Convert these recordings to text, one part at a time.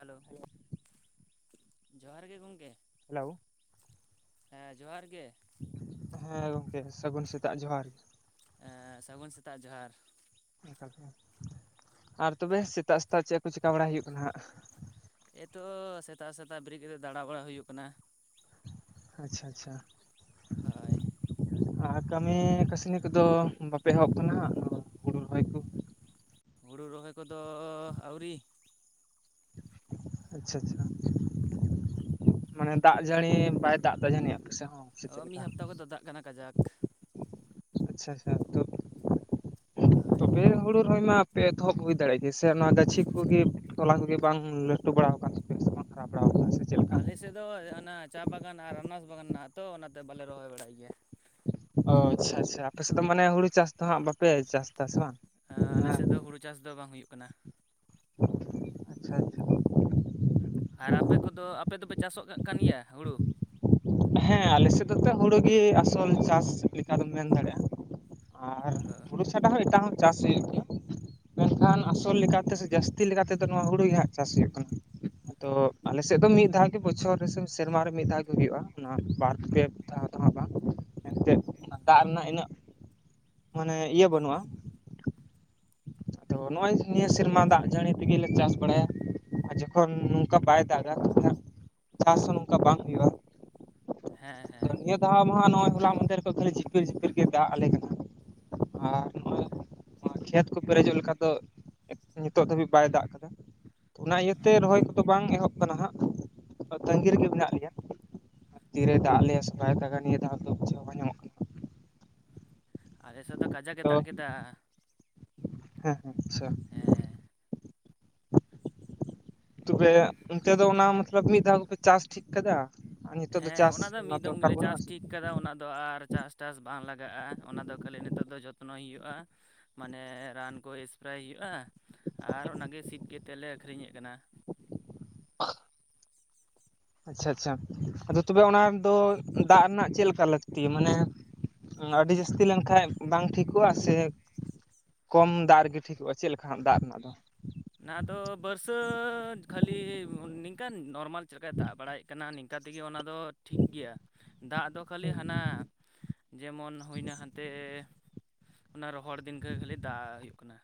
Hello, ᱡᱚᱦᱟᱨ ᱜᱮ ᱜᱚᱝᱠᱮ ᱾ ᱦᱮᱞᱳ ᱾ ᱦᱮᱸ, ᱡᱚᱦᱟᱨ ᱜᱮ ᱾ ᱦᱮᱸ, ᱜᱚᱝᱠᱮ ᱥᱟᱹᱜᱩᱱ ᱥᱮᱛᱟᱜ ᱡᱚᱦᱟᱨ ᱾ ᱮᱸ, ᱥᱟᱹᱜᱩᱱ ᱥᱮᱛᱟᱜ ᱡᱚᱦᱟᱨ ᱾ ᱟᱨ ᱛᱚᱵᱮ ᱥᱮᱛᱟᱜ ᱥᱮᱛᱟᱜ ᱪᱮᱫ ᱠᱚ ᱪᱤᱠᱟᱹ ᱵᱟᱲᱟᱭ ᱦᱩᱭᱩᱜ ᱠᱟᱱᱟ ᱦᱟᱸᱜ? ᱮᱛᱚ ᱥᱮᱛᱟᱜ ᱥᱮᱛᱟᱜ ᱵᱮᱨᱮᱫ ᱠᱟᱛᱮ ᱫᱟᱬᱟ ᱵᱟᱲᱟ ᱦᱩᱭᱩᱜ ᱠᱟᱱᱟ ᱾ ᱟᱪᱪᱷᱟ ᱟᱪᱪᱷᱟ ᱾ ᱦᱳᱭ ᱾ ᱟᱨ ᱠᱟᱹᱢᱤ ᱠᱟᱹᱥᱱᱤ ᱠᱚᱫᱚ ᱵᱟᱯᱮ ᱮᱦᱚᱵ ᱟᱠᱟᱱᱟ ᱦᱩᱲᱩ ᱨᱚᱦᱚᱭ ᱠᱚ? ᱦᱩᱲᱩ ᱨᱚᱦᱚᱭ ᱠᱚᱫᱚ ᱟᱹᱣᱨᱤ ᱾ ᱟᱪᱪᱷᱟ ᱟᱪᱪᱷᱟ, ᱢᱟᱱᱮ ᱫᱟᱜ ᱡᱟᱹᱲᱤ ᱵᱟᱭ ᱫᱟᱜ ᱫᱟ ᱡᱟᱹᱱᱤᱡ ᱟᱯᱮ ᱥᱮ ᱦᱚᱸ ᱾ ᱚ, ᱢᱤᱫ ᱦᱟᱯᱛᱟ ᱠᱷᱚᱱ ᱫᱚ ᱫᱟᱜ ᱠᱟᱱᱟ ᱠᱟᱡᱟᱠ ᱾ ᱟᱪᱪᱷᱟ ᱟᱪᱪᱷᱟ, ᱛᱚ ᱦᱳᱭ ᱾ ᱛᱚᱵᱮ ᱦᱩᱲᱩ ᱨᱚᱦᱚᱭ ᱢᱟ ᱯᱮ ᱮᱛᱚᱦᱚᱵ ᱦᱩᱭ ᱫᱟᱲᱮᱭᱟᱜ ᱜᱮ, ᱥᱮ ᱚᱱᱟ ᱜᱟᱹᱪᱷᱤ ᱠᱚᱜᱮ ᱛᱚᱞᱟ ᱠᱚᱜᱮ ᱵᱟᱝ ᱞᱟᱹᱴᱩ ᱵᱟᱲᱟᱣ ᱟᱠᱟᱱ ᱦᱟᱨᱟ ᱵᱟᱲᱟ ᱟᱠᱟᱱ ᱥᱮ ᱾ ᱟᱞᱮ ᱥᱮᱫ ᱫᱚ ᱚᱱᱟ ᱪᱟ ᱵᱟᱜᱟᱱ ᱟᱨ ᱟᱱᱟᱨᱚᱥ ᱵᱟᱜᱟᱱ ᱢᱮᱱᱟᱜᱼᱟ ᱛᱚ ᱚᱱᱟᱛᱮ ᱵᱟᱞᱮ ᱨᱚᱦᱚᱭ ᱵᱟᱲᱟᱭ ᱜᱮᱭᱟ ᱾ ᱚ, ᱟᱪᱪᱷᱟ ᱟᱪᱪᱷᱟ, ᱟᱯᱮ ᱥᱮᱫ ᱫᱚ ᱢᱟᱱᱮ ᱦᱩᱲᱩ ᱪᱟᱥ ᱫᱚ ᱦᱟᱸᱜ ᱵᱟᱯᱮ ᱪᱟᱥ ᱮᱫᱟ ᱥᱮ ᱵᱟᱝ ᱾ ᱦᱮᱼ ᱟᱞᱮ ᱥᱮᱫ ᱫᱚ ᱦᱩᱲᱩ ᱪᱟᱥ ᱫᱚ ᱵᱟᱝ ᱦᱩᱭᱩᱜ ᱠᱟᱱᱟ ᱾ ᱟᱪᱪᱷᱟ ᱟᱪᱪᱷᱟ ᱾ ᱟᱨ ᱟᱯᱮ ᱠᱚᱫᱚ ᱟᱯᱮ ᱫᱚᱯᱮ ᱪᱟᱥᱚᱜ ᱠᱟᱜ ᱠᱟᱱ ᱜᱮᱭᱟ ᱦᱩᱲᱩ? ᱦᱮᱸ, ᱟᱞᱮ ᱥᱮᱫ ᱫᱚ ᱛᱚ ᱦᱩᱲᱩ ᱜᱮ ᱟᱥᱚᱞ ᱪᱟᱥ ᱞᱮᱠᱟ ᱫᱚᱢ ᱢᱮᱱ ᱫᱟᱲᱮᱭᱟᱜᱼᱟ ᱾ ᱟᱨ ᱚ ᱦᱩᱲᱩ ᱪᱷᱟᱰᱟ ᱦᱚᱸ ᱮᱴᱟᱜᱟᱜ ᱦᱚᱸ ᱪᱟᱥ ᱦᱩᱭᱩᱜ ᱜᱮᱭᱟ ᱾ ᱢᱮᱱᱠᱷᱟᱱ ᱟᱥᱚᱞ ᱞᱮᱠᱟᱛᱮ ᱥᱮ ᱡᱟᱹᱥ ᱠᱷᱮᱛᱤ ᱞᱮᱠᱟ ᱛᱮᱫᱚ ᱱᱚᱣᱟ ᱦᱩᱲᱩ ᱜᱮ ᱦᱷᱟᱸᱜ ᱪᱟᱥ ᱦᱩᱭᱩᱜ ᱠᱟᱱᱟ ᱾ ᱛᱚ ᱟᱞᱮᱥᱮᱫ ᱫᱚ ᱢᱤᱫ ᱫᱷᱟᱣ ᱜᱮ ᱵᱚᱪᱷᱚᱨ ᱨᱮ ᱥᱮ ᱥᱮᱨᱢᱟ ᱨᱮ ᱢᱤᱫ ᱫᱷᱟᱣ ᱜᱮ ᱦᱩᱭᱩᱜ-ᱟ, ᱚᱱᱟ ᱵᱟᱨ ᱯᱮ ᱟᱫᱷᱟ ᱟᱫᱷᱟ ᱫᱟᱜ ᱮᱱᱛᱮᱫ ᱚᱱᱟ ᱫᱟᱜ ᱨᱮᱱᱟᱜ ᱤᱱᱟᱹᱜ ᱢᱟᱱᱮ ᱤᱭᱟᱹ ᱵᱟᱹᱱᱩᱜᱼᱟ ᱾ ᱛᱚ ᱱᱚᱜᱼᱚᱭ ᱱᱤᱭᱟᱹ ᱥᱮᱨᱢᱟ ᱫᱟᱜ ᱡᱟᱹᱲᱤ ᱛᱤᱜᱮ ᱞᱮ ᱪᱟᱥ ᱵᱟᱲᱟᱭᱟ ᱟᱨ ᱡᱚᱠᱷᱚᱱ ᱱᱚᱝᱠᱟ ᱵᱟᱭ ᱫᱟᱜ ᱜᱷᱟᱛ ᱠᱷᱚᱱᱟᱜ ᱪᱟᱥ ᱦᱚᱸ ᱱᱚᱝᱠᱟ ᱵᱟᱝ ᱦᱩᱭᱩᱜᱼᱟ ᱾ ᱦᱮᱸ ᱦᱮᱸ ᱫᱟᱦᱟ ᱢᱚᱦᱟ ᱱᱚᱜᱼᱚᱭ ᱦᱚᱞᱟ ᱢᱟᱫᱷᱮᱨ ᱠᱷᱚᱡ ᱠᱷᱟᱹᱞᱤ ᱡᱷᱤᱯᱤᱨ ᱡᱷᱤᱯᱤᱨ ᱜᱮ ᱫᱟᱜ ᱟᱞᱮ ᱠᱟᱱᱟ, ᱟᱨ ᱱᱚᱜᱼᱚᱭ ᱢᱟ ᱠᱷᱮᱛ ᱠᱚ ᱯᱮᱨᱮᱡᱚᱜ ᱚᱱᱠᱟ ᱫᱚ ᱱᱤᱛᱚᱜ ᱫᱷᱟᱹᱵᱤᱡ ᱵᱟᱭ ᱫᱟᱜ ᱟᱠᱟᱫᱟ, ᱚᱱᱟ ᱤᱭᱟᱹᱛᱮ ᱨᱚᱦᱚᱭ ᱫᱚ ᱵᱟᱝ ᱮᱦᱚᱵ ᱠᱟᱱᱟ ᱦᱟᱸᱜ ᱛᱟᱹᱜᱤ ᱨᱮᱜᱮ ᱢᱮᱱᱟᱜ ᱞᱮᱭᱟ ᱾ ᱛᱤᱨᱮ ᱫᱟᱜ ᱞᱮᱜᱼᱟ ᱥᱮ ᱵᱟᱭ ᱫᱟᱜᱟ ᱱᱤᱭᱟᱹ ᱫᱷᱟᱣ ᱫᱚ ᱵᱟᱠᱚ ᱧᱟᱢᱚᱜ ᱠᱟᱱᱟ ᱟᱞᱮ ᱥᱮᱫ ᱫᱚ ᱠᱟᱡᱟᱠ ᱮ ᱛᱚ ᱫᱟᱜ ᱠᱮᱫᱟ ᱾ ᱦᱮᱸ ᱟᱪᱪᱷᱟ, ᱦᱮᱸ ᱛᱚᱵᱮ ᱚᱱᱛᱮ ᱫᱚ ᱚᱱᱟ ᱢᱚᱛᱞᱚᱵᱽ ᱢᱤᱫ ᱫᱷᱟᱣ ᱜᱮᱯᱮ ᱪᱟᱥ ᱴᱷᱤᱠ ᱠᱟᱫᱟ? ᱟᱨ ᱱᱤᱛᱚᱜ ᱦᱮᱸ ᱪᱟᱥ ᱚᱱᱟ ᱫᱚ ᱢᱤᱫ ᱫᱚᱢ ᱫᱚᱨᱠᱟᱨ ᱜᱮᱞᱮ ᱵᱟᱹᱱᱩᱜᱼᱟ ᱪᱟᱥ ᱥᱮ ᱴᱷᱤᱠ ᱠᱮᱫᱟ ᱚᱱᱟᱫᱚ ᱟᱨ ᱪᱟᱥᱴᱟᱥ ᱵᱟᱝ ᱞᱟᱜᱟᱜᱼᱟ ᱚᱱᱟᱫᱚ ᱠᱷᱟᱹᱞᱤ ᱱᱤᱛᱚᱜ ᱫᱚ ᱡᱚᱛᱱᱚᱭ ᱦᱩᱭᱩᱜ-ᱟ, ᱢᱟᱱᱮ ᱨᱟᱱ ᱠᱚᱭ ᱮᱥᱯᱨᱮ ᱦᱩᱭᱩᱜᱼᱟ ᱟᱨ ᱚᱱᱟᱜᱮ ᱥᱤᱡ ᱠᱟᱛᱮ ᱞᱮ ᱟᱹᱠᱷᱨᱤᱧᱮᱫ ᱠᱟᱱᱟ, [inaudible] ᱟᱪᱷᱟ ᱟᱪᱷᱟ ᱟᱫᱚ ᱛᱚᱵᱮ ᱚᱱᱟᱫᱚ ᱫᱟᱜ ᱨᱮᱱᱟᱜ ᱪᱮᱫ ᱞᱮᱠᱟ ᱞᱟᱹᱠᱛᱤ, ᱢᱟᱱᱮ ᱚᱱᱟ ᱟᱹᱰᱤ ᱡᱟᱹᱥᱛᱤ ᱞᱮᱱᱠᱷᱟᱡ ᱵᱟᱝ ᱴᱷᱤᱠᱚᱜᱼᱟ, ᱥᱮ ᱠᱚᱢ ᱫᱟᱜ ᱨᱮᱜᱮ ᱴᱷᱤᱠᱚᱜᱼᱟ ᱪᱮᱫ ᱞᱮᱠᱟ ᱦᱟᱸᱜ ᱫᱟᱜ ᱨᱮᱱᱟᱜ ᱫᱚ? ᱚᱱᱟ ᱫᱚ ᱵᱟᱹᱨᱥᱟᱹᱫᱷ ᱠᱷᱟᱹᱞᱤ ᱱᱤᱝᱠᱟᱹᱱ ᱱᱚᱨᱢᱟᱞ ᱡᱟᱜᱟᱭ ᱫᱟᱜ ᱵᱟᱲᱟᱭᱮᱫ ᱠᱟᱱᱟ ᱱᱤᱝᱠᱟ ᱛᱮᱜᱮ ᱚᱱᱟ ᱫᱚ ᱫᱚ ᱴᱷᱤᱠ ᱜᱮᱭᱟ ᱫᱟᱜ ᱫᱚ ᱠᱷᱟᱹᱞᱤ ᱦᱩᱸ ᱦᱟᱱᱟ ᱡᱮᱢᱚᱱ ᱦᱩᱭᱱᱟ, ᱦᱟᱱᱛᱮ ᱚᱱᱟ ᱨᱚᱦᱚᱲ ᱫᱤᱱᱜᱮ ᱠᱷᱟᱹᱞᱤ ᱫᱟᱜ ᱦᱩᱭᱩᱜ ᱠᱟᱱᱟ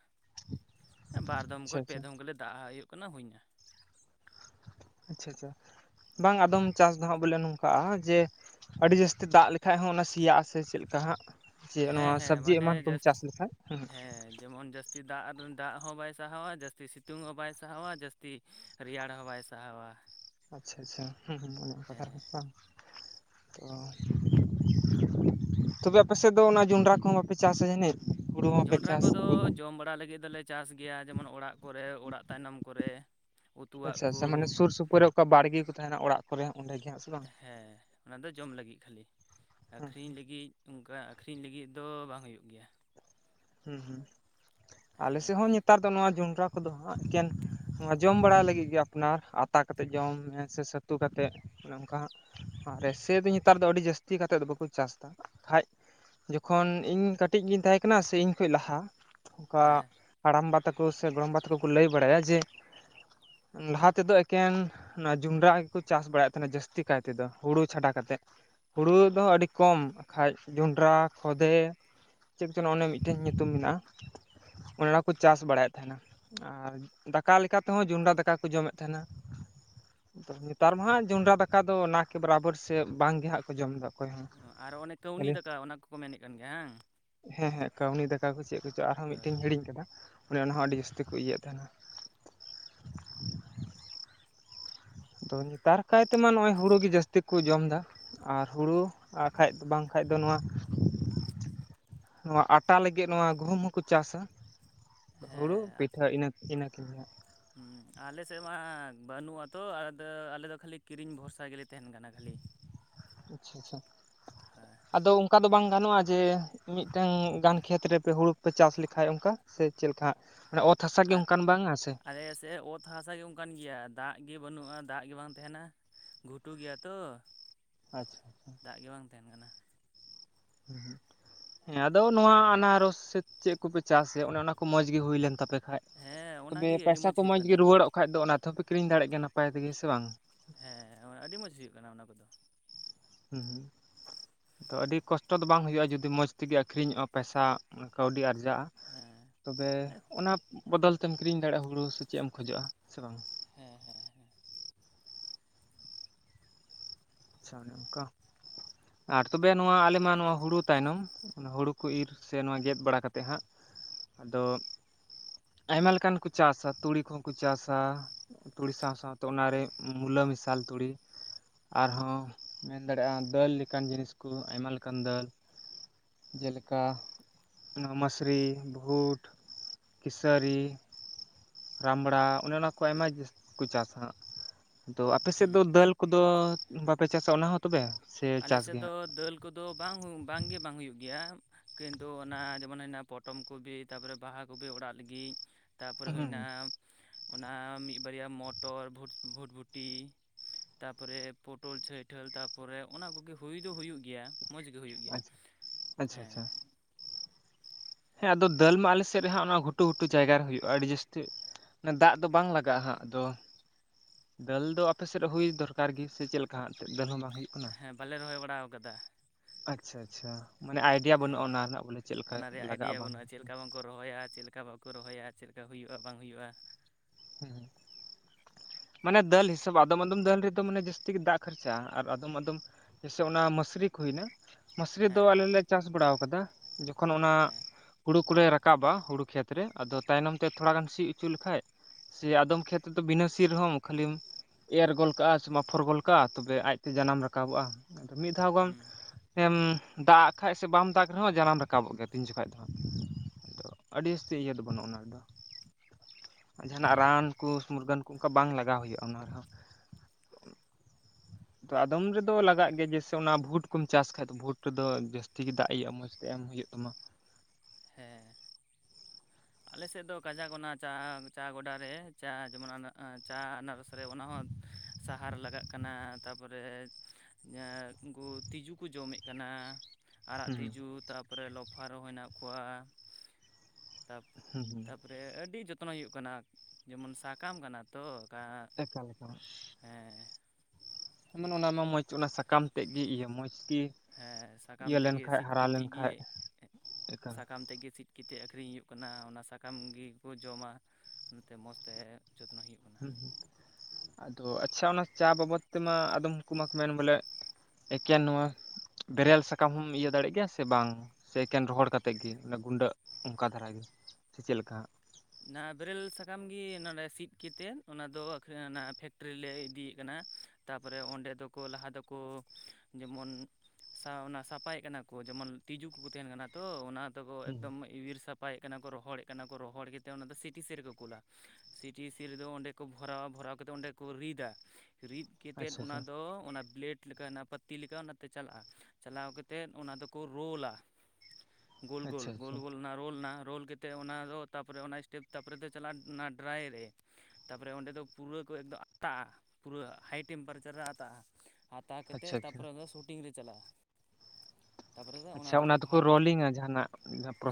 ᱾ ᱵᱟᱨ ᱫᱚᱢ ᱟᱪᱪᱷᱟ ᱠᱷᱚᱡ ᱟᱪᱪᱷᱟ ᱚᱞᱮ ᱫᱟᱜ ᱦᱩᱭᱩᱜ ᱠᱟᱱᱟ ᱦᱩᱭᱱᱟ ᱟᱪᱪᱷᱟ ᱟᱪᱷᱟ ᱵᱟᱝ ᱦᱳᱭ ᱟᱫᱚᱢ ᱪᱟᱥ ᱫᱚ ᱦᱟᱸᱜ ᱵᱚᱞᱮ ᱱᱚᱝᱠᱟᱜ-ᱟ᱾ ᱡᱮ ᱟᱹᱰᱤ ᱡᱟᱹᱥᱛᱤ ᱫᱟᱜ ᱞᱮᱠᱷᱟᱡ ᱦᱚᱸ ᱚᱱᱟ ᱥᱤᱭᱟᱜ ᱟᱥᱮ ᱪᱮᱫᱞᱮᱠᱟ ᱦᱟᱸᱜ ᱡᱮ ᱦᱮᱸ ᱱᱚᱣᱟ ᱦᱮᱸ ᱥᱚᱵᱽᱡᱤ ᱢᱟᱱᱮ ᱮᱢᱟᱱ ᱠᱚᱢ ᱡᱟᱹᱥ ᱪᱟᱥ ᱞᱮᱠᱷᱟᱡ ᱦᱮᱸ ᱡᱮᱢᱚᱱ ᱡᱟᱹᱥ ᱪᱮ ᱫᱟᱜ ᱨᱮᱱ ᱫᱟᱜ ᱦᱚᱸ ᱵᱟᱭ ᱥᱟᱦᱟᱣᱟ, ᱡᱟᱹᱥᱛᱤ ᱥᱤᱛᱩᱝ ᱦᱚᱸ ᱵᱟᱭ ᱥᱟᱦᱟᱣᱟ, ᱡᱟᱹᱥᱛᱤ ᱨᱮᱭᱟᱲ ᱦᱚ ᱵᱟᱭ ᱥᱟᱦᱟᱣᱟ, ᱟᱪᱪᱷᱟ ᱟᱪᱪᱷᱟ ᱦᱩᱸ ᱦᱩᱸ ᱦᱮᱸ [unintelligible] ᱛᱚᱵᱮ ᱟᱯᱮ ᱥᱮᱫ ᱫᱚ ᱚᱱᱟ ᱡᱚᱸᱱᱰᱨᱟ ᱠᱚᱦᱚᱸ ᱵᱟᱯᱮ ᱪᱟᱥᱟ ᱡᱟᱹᱱᱤᱡ ᱦᱩᱲᱩ ᱦᱚᱸᱯᱮ ᱡᱚᱸᱰᱨᱟ ᱪᱟᱥ ᱠᱚᱫᱚ ᱡᱚᱢ ᱵᱟᱲᱟ ᱞᱟᱹᱜᱤᱫ ᱫᱚᱞᱮ ᱪᱟᱥ ᱜᱮᱭᱟ, ᱡᱮᱢᱚᱱ ᱚᱲᱟᱜ ᱠᱚᱨᱮ ᱚᱲᱟᱜ ᱛᱟᱭᱱᱚᱢ ᱠᱚᱨᱮ ᱾ ᱟᱪᱪᱷᱟ ᱟᱪᱪᱷᱟ, ᱢᱟᱱᱮ ᱥᱩᱨ-ᱥᱩᱯᱩᱨ ᱨᱮ ᱚᱠᱟ ᱵᱟᱲᱜᱮ ᱠᱚ ᱛᱟᱦᱮᱱᱟ ᱚᱲᱟᱜ ᱠᱚᱨᱮ ᱦᱚᱸ ᱚᱸᱰᱮ ᱜᱮ ᱵᱟᱝ ᱦᱮᱸ ᱚᱱᱟᱫᱚ ᱡᱚᱢ ᱞᱟᱹᱜᱤᱫ ᱠᱷᱟᱹᱞᱤ ᱦᱮᱸ ᱟᱹᱠᱷᱨᱤᱧ ᱞᱟᱹᱜᱤᱫ ᱚᱱᱠᱟ ᱟᱹᱠᱷᱨᱤᱧ ᱞᱟᱹᱜᱤᱫ ᱫᱚ ᱵᱟᱝ ᱦᱩᱭᱩᱜ ᱜᱮᱭᱟ, ᱩᱸ ᱦᱩᱸ ᱟᱞᱮ ᱥᱮᱫ ᱦᱮᱸ ᱦᱚᱸ ᱧᱮᱯ ᱱᱮᱛᱟᱨ ᱫᱚ ᱱᱚᱣᱟ ᱡᱚᱸᱰᱨᱟ ᱠᱚᱫᱚ ᱦᱟᱸᱜ ᱮᱠᱮᱱ ᱱᱚᱣᱟ ᱡᱚᱢ ᱵᱟᱲᱟ ᱞᱟᱹᱜᱤᱫ ᱜᱮ ᱟᱯᱱᱟᱨ ᱟᱛᱟ ᱠᱟᱛᱮᱫ ᱡᱚᱢ ᱦᱮᱸ ᱥᱮ ᱩᱛᱩ ᱠᱟᱛᱮᱜ ᱱᱚᱝᱠᱟ ᱦᱚᱸ ᱦᱚᱸ ᱮᱭᱥᱮ ᱫᱚ ᱱᱮᱛᱟᱨ ᱫᱚ ᱟᱹᱰᱤ ᱡᱟᱹᱥᱛᱤ ᱠᱟᱛᱮᱫ ᱫᱚ ᱵᱟᱠᱚ ᱪᱟᱥ ᱮᱫᱟ ᱾ ᱟᱠᱷᱟᱡ ᱡᱚᱠᱷᱚᱱ ᱤᱧ ᱠᱟᱹᱴᱤᱡ ᱜᱤᱧ ᱛᱟᱸᱦᱮ ᱠᱟᱱᱟ ᱥᱮ ᱤᱧ ᱠᱷᱚᱱ ᱞᱟᱦᱟ ᱚᱱᱠᱟᱜ ᱦᱮᱸ ᱦᱟᱲᱟᱢᱵᱟ ᱛᱮᱠᱚ ᱥᱮ ᱜᱚᱲᱚᱢᱵᱟ ᱛᱮᱠᱚ ᱠᱚ ᱞᱟᱹᱭ ᱵᱟᱲᱟᱭᱟ, ᱡᱮ ᱞᱟᱦᱟ ᱛᱮᱫᱚ ᱮᱠᱮᱱ ᱱᱚᱣᱟ ᱡᱚᱸᱰᱨᱟ ᱜᱮᱠᱚ ᱪᱟᱥ ᱵᱟᱲᱟᱭᱮᱫ ᱛᱟᱦᱮᱱᱟ, ᱡᱟᱹᱥᱛᱤ ᱠᱟᱭ ᱛᱮᱫᱚ ᱦᱩᱲᱩ ᱪᱷᱟᱰᱟ ᱠᱟᱛᱮᱜ ᱾ ᱦᱩᱲᱩ ᱫᱚ ᱟᱹᱰᱤ ᱠᱚᱢ ᱵᱟᱠᱷᱟᱡ ᱡᱚᱸᱰᱨᱟ ᱠᱷᱚᱫᱮ ᱪᱮᱫ ᱪᱚᱝ ᱚᱱᱮ ᱢᱤᱫ ᱢᱤᱫᱴᱮᱱ ᱧᱩᱛᱩᱢ ᱢᱮᱱᱟᱜᱼᱟ ᱚᱱᱟ ᱠᱚ ᱪᱟᱥ ᱵᱟᱲᱟᱭᱮᱫ ᱛᱟᱦᱮᱱᱟ ᱾ ᱟᱨ ᱫᱟᱠᱟ ᱞᱮᱠᱟ ᱛᱮᱦᱚᱸ ᱡᱚᱸᱰᱨᱟ ᱫᱟᱠᱟ ᱠᱚ ᱡᱚᱢᱮᱫ ᱛᱟᱦᱮᱱᱟ, ᱱᱮᱛᱟᱨ ᱢᱟ ᱦᱟᱸᱜ ᱡᱚᱸᱰᱨᱟ ᱫᱟᱠᱟ ᱫᱚ ᱱᱟᱠᱮ ᱵᱟᱨᱟᱵᱚᱨ ᱥᱮ ᱵᱟᱝᱜᱮ ᱦᱟᱸᱜ ᱠᱚ ᱡᱚᱢᱮᱫᱟ ᱦᱚᱸ ᱟᱨ ᱚᱱᱮ ᱛᱚ ᱩᱱᱤ ᱫᱟᱠᱟ ᱚᱱᱟ ᱠᱚᱠᱚ ᱢᱮᱱᱮᱫ ᱠᱟᱱ ᱜᱮᱭᱟ ᱵᱟᱝ ᱦᱮᱸ ᱦᱮᱸ ᱠᱟᱹᱣᱱᱤ ᱫᱟᱠᱟ ᱠᱚ ᱪᱮᱫ ᱠᱚᱪᱚ ᱟᱨᱦᱚᱸ ᱦᱳᱭ ᱢᱤᱫᱴᱮᱱᱤᱧ ᱦᱤᱲᱤᱧ ᱟᱠᱟᱫᱟ ᱚᱱᱮ ᱚᱱᱟᱦᱚᱸ ᱟᱹᱰᱤ ᱡᱟᱹᱥᱛᱤ ᱠᱚ ᱤᱭᱮᱫ ᱛᱟᱦᱮᱸᱱᱟ ᱛᱚ ᱱᱮᱛᱟᱨ ᱠᱟᱭᱛᱮᱢᱟ ᱱᱚᱜ ᱚᱭ ᱦᱩᱲᱩ ᱜᱮ ᱡᱟᱹᱥᱛᱤ ᱠᱚ ᱡᱚᱢ ᱫᱟ᱾ ᱟᱨ ᱦᱩᱲᱩ ᱠᱷᱟᱡ ᱵᱟᱝᱠᱷᱟᱡ ᱫᱚ ᱱᱚᱣᱟ ᱱᱚᱣᱟ ᱟᱴᱟ ᱞᱟᱹᱜᱤᱫ ᱱᱚᱣᱟ ᱜᱩᱦᱩᱢ ᱦᱚᱠᱚ ᱪᱟᱥᱟ ᱦᱩᱲᱩ ᱯᱤᱴᱷᱟᱹ ᱤᱱᱟᱹᱛᱮ ᱤᱱᱟᱹᱠᱤᱱᱜᱮ ᱦᱩᱸ ᱟᱞᱮ ᱥᱮᱫ ᱢᱟ ᱵᱟᱹᱱᱩᱜ ᱟᱛᱚ ᱟᱫᱚ ᱟᱞᱮ ᱫᱚ ᱠᱷᱟᱹᱞᱤ ᱠᱤᱨᱤᱧ ᱵᱷᱚᱨᱥᱟ ᱜᱮᱞᱮ ᱛᱟᱦᱮᱱ ᱠᱟᱱᱟ ᱠᱷᱟᱹᱞᱤ ᱟᱪᱪᱷᱟ ᱟᱪᱪᱷᱟ ᱦᱮᱸ ᱟᱫᱚ ᱚᱱᱠᱟ ᱫᱚ ᱵᱟᱝ ᱜᱟᱱᱚᱜᱼᱟ ᱡᱮ ᱢᱤᱫᱴᱝ ᱜᱟᱱ ᱠᱷᱮᱛ ᱨᱮᱯᱮ ᱦᱩᱲᱩ ᱯᱮ ᱪᱟᱥ ᱞᱮᱠᱷᱟᱡ ᱚᱱᱠᱟ ᱥᱮ- ᱪᱮᱫ ᱞᱮᱠᱟ ᱢᱟᱱᱮ ᱚᱛ ᱦᱟᱥᱟ ᱜᱮ ᱚᱱᱠᱟᱱ ᱵᱟᱝ ᱟ ᱥᱮ ᱟᱞᱮᱥᱮᱫ ᱚᱛ ᱚᱛ ᱦᱟᱥᱟ ᱜᱮ ᱚᱱᱠᱟᱱ ᱜᱮᱭᱟ ᱫᱟᱜ ᱜᱮ ᱵᱟᱹᱱᱩᱜᱼᱟ ᱫᱟᱜ ᱜᱮ ᱵᱟᱝ ᱛᱟᱦᱮᱱᱟ ᱜᱷᱩᱴᱩ ᱜᱮᱭᱟ ᱛᱚ ᱟᱪᱪᱷᱟ ᱫᱟᱜ ᱜᱮ ᱵᱟᱝ ᱛᱟᱦᱮᱱ ᱠᱟᱱᱟ ᱦᱩᱸ ᱦᱮᱸ ᱟᱫᱚ ᱱᱚᱣᱟ ᱟᱱᱟᱨᱚᱥ ᱥᱮ ᱪᱮᱫ ᱠᱚᱯᱮ ᱪᱟᱥ ᱜᱮ ᱚᱱᱮ ᱚᱱᱟ ᱠᱚ ᱢᱚᱸᱡᱽ ᱜᱤ ᱦᱩᱭ ᱞᱮᱱ ᱛᱟᱯᱮ ᱠᱷᱟᱡ ᱦᱮᱸ ᱛᱚᱵᱮ ᱚᱱᱟᱜᱮ ᱟᱹᱰᱤ ᱯᱚᱭᱥᱟ ᱠᱚ ᱦᱩᱭᱩᱜ ᱢᱚᱸᱡᱽ ᱠᱟᱱᱟ ᱜᱮ ᱨᱩᱣᱟᱹᱲᱚᱜ ᱠᱷᱟᱡ ᱫᱚ ᱚᱱᱟ ᱛᱮᱦᱚᱸᱯᱮ ᱠᱤᱨᱤᱧ ᱫᱟᱲᱮᱭᱟᱜ ᱜᱮᱭᱟ ᱱᱟᱯᱟᱭ ᱛᱮᱜᱮ ᱥᱮ ᱵᱟᱝ ᱦᱮᱸ ᱟᱹᱰᱤ ᱢᱚᱡᱽ ᱦᱩᱭᱩᱜ ᱠᱟᱱᱟ ᱚᱱᱟ ᱠᱚᱫᱚ ᱦᱩᱸ ᱦᱩᱸ ᱛᱚ ᱟᱹᱰᱤ ᱠᱚᱥᱴᱚ ᱫᱚ ᱵᱟᱝ ᱦᱩᱭᱩᱜᱼᱟ ᱡᱩᱫᱤ ᱢᱚᱸᱡᱽ ᱛᱮᱜᱮ ᱟᱠᱷᱨᱤᱧᱚᱜᱼᱟ ᱯᱚᱭᱥᱟ ᱠᱟᱹᱣᱰᱤ ᱟᱨ- ᱵᱟᱡᱟᱜᱼᱟ ᱦᱮᱸ ᱛᱚᱵᱮ ᱦᱮᱸ ᱚᱱᱟ ᱵᱚᱫᱚᱞ ᱛᱮᱢ ᱠᱤᱨᱤᱧ ᱫᱟᱲᱮᱭᱟᱜᱼᱟ ᱦᱩᱲᱩ ᱥᱮ ᱪᱮᱫ ᱮᱢ ᱠᱷᱚᱡᱚᱜᱼᱟ ᱥᱮ ᱵᱟᱝ ᱦᱮᱸ ᱦᱮᱸ ᱦᱮᱸ ᱟᱪᱪᱷᱟ ᱚᱱᱠᱟ ᱟᱨ ᱛᱚᱵᱮ ᱱᱚᱣᱟ ᱟᱞᱮᱢᱟ ᱱᱚᱣᱟ ᱦᱩᱲᱩ ᱛᱟᱭᱱᱚᱢ ᱦᱩᱲᱩ ᱠᱚ ᱤᱨ ᱥᱮ ᱜᱮᱫ ᱵᱟᱲᱟ ᱠᱟᱛᱮᱜ ᱦᱟᱸᱜ ᱟᱫᱚ ᱟᱭᱢᱟ ᱞᱮᱠᱟᱱ ᱠᱚ ᱪᱟᱥᱟ ᱛᱩᱲᱤ ᱠᱚᱦᱚᱸ ᱠᱚ ᱪᱟᱥᱟ ᱛᱩᱲᱤ ᱥᱟᱶ ᱥᱟᱶᱛᱮ ᱚᱱᱟᱨᱮ ᱢᱩᱞᱟᱹ ᱢᱮᱥᱟᱞ ᱛᱩᱲᱤ ᱟᱨᱦᱚᱸ ᱢᱮᱱ ᱫᱟᱲᱮᱭᱟᱜᱼᱟᱢ ᱫᱟᱹᱞ ᱞᱮᱠᱟᱱ ᱡᱤᱱᱤᱥ ᱠᱚ ᱟᱭᱢᱟ ᱞᱮᱠᱟᱱ ᱫᱟᱹᱞ ᱡᱮᱞᱮᱠᱟ ᱚᱱᱟ ᱢᱟᱥᱨᱤ ᱵᱷᱩᱴ ᱠᱮᱥᱟᱹᱨᱤ ᱨᱟᱢᱲᱟ ᱚᱱᱮ ᱚᱱᱟ ᱠᱚ ᱟᱭᱢᱟ ᱡᱟᱹᱥᱛᱤ ᱠᱚ ᱪᱟᱥᱟ ᱟᱫᱚ ᱟᱯᱮ ᱥᱮᱫ ᱫᱚ ᱦᱩᱸ᱾ ᱫᱟᱹᱞ ᱠᱚᱫᱚ ᱵᱟᱯᱮ ᱪᱟᱥᱟ ᱚᱱᱟ ᱦᱚᱸ ᱛᱚᱵᱮ ᱥᱮ ᱟᱞᱮ ᱪᱟᱥ ᱥᱮᱫ ᱜᱮ ᱫᱚ ᱦᱟᱜ ᱫᱟᱹᱞ ᱠᱚᱫᱚ ᱵᱟᱝ ᱵᱟᱝᱜᱮ ᱵᱟᱝ ᱦᱩᱭᱩᱜ ᱜᱮᱭᱟ ᱠᱤᱱᱛᱩ ᱚᱱᱟ ᱡᱮᱢᱚᱱ ᱦᱩᱭᱱᱟ ᱯᱚᱴᱚᱢ ᱠᱩᱵᱤ ᱛᱟᱨᱯᱚᱨᱮ ᱵᱟᱦᱟ ᱠᱚᱵᱤ ᱚᱲᱟᱜ ᱞᱟᱹᱜᱤᱫ ᱛᱟᱯᱚᱨᱮ ᱦᱟᱸᱜ ᱦᱩᱸ ᱦᱩᱭᱱᱟ ᱚᱱᱟ ᱢᱤᱫ ᱵᱟᱨᱭᱟ ᱢᱚᱴᱚᱨ, ᱵᱷᱩᱴᱼ ᱵᱷᱩᱴᱵᱷᱩᱴᱤ ᱛᱟᱯᱚᱨᱮ ᱯᱚᱴᱚᱞ ᱪᱷᱟᱹᱭᱴᱟᱹᱞ ᱛᱟᱯᱚᱨᱮ ᱚᱱᱟ ᱠᱚᱜᱮ ᱦᱩᱭ ᱫᱚ ᱦᱩᱭᱩᱜ ᱜᱮᱭᱟ ᱢᱚᱡᱽ ᱜᱮ ᱦᱩᱭᱩᱜ ᱜᱮᱭᱟ ᱟᱪᱪᱷᱟ ᱟᱪᱪᱷᱟ ᱦᱮᱸ ᱟᱪᱪᱷᱟ ᱦᱮᱸ ᱟᱫᱚ ᱫᱟᱹᱞ ᱢᱟ ᱟᱞᱮ ᱥᱮᱫ ᱨᱮᱦᱟᱸᱜ ᱚᱱᱟ ᱜᱷᱩᱴᱩ ᱜᱷᱩᱴᱩ ᱡᱟᱭᱜᱟ ᱨᱮ ᱦᱩᱭᱩᱜᱼᱟ ᱟᱹᱰᱤ ᱡᱟᱹᱥᱛᱤ ᱫᱟᱜ ᱫᱚ ᱵᱟᱝ ᱞᱟᱜᱟᱜᱼᱟ ᱦᱟᱸᱜ ᱟᱫᱚ ᱫᱟᱹᱞ ᱫᱚ ᱟᱯᱮᱥᱮᱫ ᱦᱩᱭ ᱫᱚᱨᱠᱟᱨ ᱜᱮ ᱥᱮ ᱪᱮᱫ ᱞᱮᱠᱟ ᱦᱟᱸᱜ ᱫᱟᱹᱞ ᱦᱚᱸ ᱵᱟᱝ ᱦᱩᱭᱩᱜᱼᱟ ᱦᱮᱸ ᱵᱟᱞᱮ ᱨᱚᱦᱚᱭ ᱵᱟᱲᱟ ᱟᱠᱟᱫᱟ ᱟᱪᱪᱷᱟ ᱟᱪᱪᱷᱟ ᱢᱟᱱᱮ ᱟᱭᱰᱤᱭᱟ ᱵᱟᱹᱱᱩᱜᱼᱟ ᱦᱮᱸ ᱚᱱᱟ ᱨᱮᱱᱟᱜ ᱵᱚᱞᱮ ᱪᱮᱫᱞᱮᱠᱟ ᱚᱱᱟ ᱨᱮᱭᱟᱜ ᱟᱭᱰᱤᱭᱟ ᱵᱟᱹᱱᱩᱜᱼᱟ ᱪᱮᱫ ᱞᱮᱠᱟ ᱵᱟᱝᱠᱚ ᱨᱚᱦᱚᱭᱟ ᱪᱮᱫ ᱞᱮᱠᱟ ᱵᱟᱠᱚ ᱨᱚᱦᱚᱭᱟ ᱪᱮᱫ ᱞᱮᱠᱟ ᱦᱩᱭᱩᱜᱼᱟ ᱵᱟᱝ ᱦᱩᱭᱩᱜᱼᱟ ᱢᱟᱱᱮ ᱫᱟᱹᱞ ᱦᱤᱥᱟᱹᱵ ᱟᱫᱚᱢ ᱟᱫᱚᱢ ᱫᱟᱹᱞ ᱨᱮᱫᱚ ᱢᱟᱱᱮ ᱡᱟᱹᱥᱛᱤ ᱜᱮ ᱫᱟᱜ ᱠᱷᱚᱨᱪᱟᱜᱼᱟ ᱟᱨ ᱟᱫᱚᱢ ᱟᱫᱚᱢ ᱡᱮᱭᱥᱮ ᱚᱱᱟ ᱢᱟᱥᱨᱤ ᱠᱚ ᱦᱩᱭᱱᱟ ᱢᱟᱥᱨᱤ ᱫᱚ ᱦᱮᱸ ᱟᱞᱮ ᱞᱮ ᱪᱟᱥ ᱵᱟᱲᱟᱣ ᱟᱠᱟᱫᱟ ᱡᱚᱠᱷᱚᱱ ᱚᱱᱟ ᱦᱮᱸ ᱦᱩᱲᱩ ᱠᱚᱞᱮ ᱨᱟᱠᱟᱵᱟ ᱦᱩᱲᱩ ᱠᱷᱮᱛ ᱨᱮ ᱟᱫᱚ ᱛᱟᱭᱱᱚᱢ ᱛᱮ ᱛᱷᱚᱲᱟ ᱜᱟᱱ ᱥᱤ ᱚᱪᱚ ᱞᱮᱠᱷᱟᱡ ᱥᱮ ᱟᱫᱚᱢ ᱠᱷᱮᱛ ᱨᱮᱫᱚ ᱵᱤᱱᱟᱹ ᱥᱤ ᱨᱮᱦᱚᱸᱢ ᱠᱷᱟᱹᱞᱤᱢ ᱮᱨ ᱜᱚᱫ ᱠᱟᱜᱼᱟ ᱥᱮ ᱟᱯᱷᱚᱨ ᱜᱚᱫ ᱠᱟᱜᱼᱟ ᱛᱚᱵᱮ ᱟᱡᱛᱮ ᱡᱟᱱᱟᱢ ᱨᱟᱠᱟᱵᱚᱜᱼᱟ ᱢᱤᱫ ᱫᱷᱟᱣ ᱦᱩᱸ ᱜᱮᱢ ᱫᱟᱜ ᱠᱷᱟᱡ ᱥᱮ ᱵᱟᱢ ᱫᱟᱜ ᱨᱮᱦᱚᱸ ᱡᱟᱱᱟᱢ ᱨᱟᱠᱟᱵᱚᱜ ᱜᱮᱭᱟ ᱛᱤᱱ ᱡᱚᱠᱷᱟᱡ ᱫᱚ ᱟᱫᱚ ᱟᱹᱰᱤ ᱡᱟᱹᱥᱛᱤ ᱤᱭᱟᱹ ᱫᱚ ᱵᱟᱹᱱᱩᱜᱼᱟ ᱚᱱᱟ ᱨᱮᱫᱚ ᱡᱟᱦᱟᱱᱟᱜ ᱦᱩᱸ ᱨᱟᱱ ᱠᱚ ᱢᱩᱨᱜᱟᱹᱱ ᱠᱚ ᱚᱱᱠᱟ ᱵᱟᱝ ᱞᱟᱜᱟᱣ ᱦᱩᱭᱩᱜᱼᱟ ᱚᱱᱟ ᱨᱮᱦᱚᱸ ᱟᱫᱚᱢ ᱨᱮᱫᱚ ᱞᱟᱜᱟᱜ ᱜᱮᱭᱟ ᱡᱮᱭᱥᱮ ᱚᱱᱟ ᱵᱷᱩᱴ ᱠᱚᱢ ᱪᱟᱥ ᱠᱷᱟᱡ ᱫᱚ ᱵᱷᱩᱴ ᱨᱮᱫᱚ ᱡᱟᱹᱥᱛᱤ ᱜᱮ ᱫᱟᱜ ᱤᱭᱟᱹᱜᱼᱟ ᱢᱚᱡᱽ ᱥᱮ ᱮᱢ ᱦᱩᱭᱩᱜ ᱛᱟᱢᱟ ᱦᱮᱸ [inaudible] ᱟᱞᱮ ᱥᱮᱫ ᱫᱚ ᱠᱟᱡᱟᱠ ᱚᱱᱟ ᱪᱟ ᱪᱟ ᱜᱚᱰᱟᱨᱮ ᱪᱟ ᱡᱮᱢᱚᱱ ᱪᱟ ᱟᱱᱟᱨᱚᱥ ᱨᱮ ᱚᱱᱟ ᱦᱚᱸ ᱥᱟᱦᱟᱨ ᱞᱟᱜᱟᱜ ᱠᱟᱱᱟ ᱛᱟᱯᱚᱨᱮ [unintelligible] ᱩᱱᱠᱩ ᱛᱤᱡᱩ ᱠᱚ ᱡᱚᱢᱮᱫ ᱠᱟᱱᱟ ᱟᱨᱟᱜ ᱦᱩᱸ ᱛᱤᱡᱩ ᱛᱟᱨᱯᱚᱨᱮ ᱞᱚᱯᱷᱟᱨᱦᱚᱸ ᱦᱮᱱᱟᱜ ᱠᱚᱣᱟ ᱛᱟ ᱦᱩᱸ ᱦᱩᱸ ᱛᱟᱯᱚᱨᱮ ᱟᱹᱰᱤ ᱡᱚᱛᱱᱚᱭ ᱦᱩᱭᱩᱜ ᱠᱟᱱᱟ ᱡᱮᱢᱚᱱ ᱥᱟᱠᱟᱢ ᱠᱟᱱᱟ ᱛᱚ ᱮᱠᱟᱞ ᱮᱠᱟᱞ ᱦᱮᱸ ᱦᱩᱸ ᱚᱱᱟ ᱢᱟ ᱢᱚᱡᱽ ᱚᱱᱟ ᱥᱟᱠᱟᱢ ᱛᱮᱫ ᱜᱮ ᱤᱭᱟᱹ ᱢᱚᱡᱽ ᱜᱮ ᱦᱮᱸ ᱥᱟᱠᱟᱢ ᱤᱭᱟᱹ ᱛᱮᱜᱮ ᱞᱮᱱᱠᱷᱟᱡ ᱥᱤᱫ ᱦᱟᱨᱟ ᱠᱤᱛᱤᱡ ᱞᱮᱱᱠᱷᱟᱡ ᱜᱮ ᱮᱠᱟᱞ ᱥᱟᱠᱟᱢ ᱛᱮ ᱜᱮ ᱥᱤᱫ ᱠᱟᱛᱮᱫ ᱟᱠᱷᱨᱤᱧ ᱦᱩᱭᱩᱜ ᱠᱟᱱᱟ ᱚᱱᱟ ᱥᱟᱠᱟᱢ ᱜᱮᱠᱚ ᱡᱚᱢᱟ ᱚᱱᱟᱛᱮ ᱢᱚᱸᱡᱽ ᱛᱮ ᱡᱚᱛᱱᱚ ᱦᱩᱭᱩᱜ ᱠᱟᱱᱟ ᱦᱩᱸ ᱟᱫᱚ ᱟᱪᱪᱷᱟ ᱚᱱᱟ ᱪᱟ ᱵᱟᱵᱚᱛ ᱛᱮᱢᱟ ᱟᱫᱚᱢ ᱦᱩᱠᱩ ᱢᱟᱠᱚ ᱢᱮᱱ ᱵᱚᱞᱮ ᱮᱠᱮᱱ ᱱᱚᱣᱟ ᱵᱮᱨᱮᱞ ᱥᱟᱠᱟᱢ ᱦᱚᱢ ᱤᱭᱟᱹ ᱫᱟᱲᱮᱜ ᱜᱮᱭᱟ ᱥᱮ ᱵᱟᱝ ᱥᱮ ᱮᱠᱮᱱ ᱨᱚᱦᱚᱲ ᱠᱟᱛᱮ ᱜᱮ ᱜᱩᱸᱰᱟᱹᱜ ᱚᱱᱠᱟ ᱫᱷᱟᱨᱟ ᱜᱮ ᱥᱮ ᱪᱮᱫ ᱞᱮᱠᱟ ᱚᱱᱟ ᱵᱮᱨᱮᱞ ᱥᱟᱠᱟᱢ ᱜᱮ ᱱᱚᱰᱮ ᱥᱤᱫ ᱠᱟᱛᱮᱫ ᱚᱱᱟ ᱫᱚ ᱟᱹᱠᱷᱤᱨ ᱚᱱᱟ ᱯᱷᱮᱠᱴᱨᱤ ᱨᱮᱞᱮ ᱤᱫᱤᱭᱮᱫ ᱠᱟᱱᱟ ᱛᱟᱯᱚᱨᱮ ᱚᱸᱰᱮ ᱫᱚᱠᱚ ᱞᱟᱦᱟ ᱫᱚᱠᱚ ᱡᱮᱢᱚᱱ ᱥᱟ ᱚᱱᱟ ᱥᱟᱯᱷᱟᱭᱮᱫ ᱠᱟᱱᱟ ᱠᱚ ᱡᱮᱢᱚᱱ ᱛᱤᱡᱩ ᱠᱚᱠᱚ ᱛᱟᱦᱮᱱ ᱠᱟᱱᱟ ᱛᱚ ᱚᱱᱟ ᱫᱚᱠᱚ ᱦᱩᱸ ᱮᱠᱫᱚᱢ ᱤᱭᱤᱨ ᱥᱟᱯᱷᱟᱭᱮᱫ ᱠᱟᱱᱟ ᱠᱚ ᱨᱚᱦᱚᱲᱮᱫ ᱠᱟᱱᱟ ᱠᱚ ᱨᱚᱦᱚᱲ ᱜᱮ ᱚᱱᱟ ᱫᱚ ᱥᱤᱴᱤ ᱥᱤ ᱨᱮᱠᱚ ᱠᱩᱞᱟ ᱥᱤᱴᱤ ᱥᱤ ᱨᱮᱫᱚ ᱚᱸᱰᱮ ᱠᱚ ᱵᱷᱚᱨᱟᱣᱟ ᱵᱷᱚᱨᱟᱣ ᱠᱟᱛᱮᱫ ᱚᱸᱰᱮ ᱠᱚ ᱨᱤᱫᱟ ᱨᱤᱫ ᱠᱟᱛᱮᱫ ᱟᱪᱪᱷᱟ ᱚᱱᱟ ᱟᱪᱪᱷᱟ ᱫᱚ ᱚᱱᱟ ᱵᱞᱮᱰ ᱞᱮᱠᱟ ᱱᱟᱜ ᱯᱟᱛᱤ ᱞᱮᱠᱟ ᱚᱱᱟᱛᱮ ᱪᱟᱞᱟᱜᱼᱟ ᱪᱟᱞᱟᱣ ᱠᱟᱛᱮᱫ ᱚᱱᱟ ᱫᱚᱠᱚ ᱨᱳᱞᱟ ᱜᱳᱞ ᱜᱳᱞ ᱟᱪᱪᱷᱟ ᱜᱳᱞ ᱟᱪᱪᱷᱟ ᱜᱳᱞ ᱚᱱᱟ ᱨᱳᱞ ᱮᱱᱟ ᱨᱳᱞ ᱠᱟᱛᱮᱫ ᱚᱱᱟ ᱫᱚ ᱛᱟ ᱛᱟᱯᱚᱨᱮ ᱚᱱᱟ ᱥᱴᱮᱯ ᱛᱟᱯᱚᱨᱮ ᱫᱚ ᱪᱟᱞᱟᱜ ᱚᱱᱟ ᱰᱨᱟᱭ ᱨᱮ ᱛᱟᱯᱚᱨᱮ ᱚᱸᱰᱮ ᱫᱚ ᱯᱩᱨᱟᱹ ᱠᱚ ᱟᱛᱟᱜᱼᱟ ᱯᱩᱨᱟᱹ ᱦᱟᱭ ᱴᱮᱢᱯᱟᱨᱮᱪᱟᱨ ᱨᱮ ᱟᱛᱟᱜᱼᱟ ᱟᱛᱟ ᱟᱪᱪᱷᱟ ᱠᱟᱛᱮᱫ ᱟᱪᱪᱷᱟ ᱛᱟᱯᱚᱨᱮ ᱥᱩᱴᱤᱝ ᱨᱮ ᱪᱟᱞᱟᱜᱼᱟ ᱛᱟᱯᱚᱨᱮ ᱚᱱᱟ ᱟᱪᱪᱷᱟ ᱫᱚᱠᱚ ᱵᱷᱟᱜᱼᱟ ᱨᱳᱞᱤᱝᱟ ᱡᱟᱦᱟᱱᱟᱜ